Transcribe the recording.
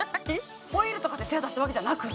オイルとかでツヤ出したわけじゃなく？